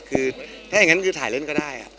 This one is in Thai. ถ้าอย่างงั้นถ่ายเล่นก็ได้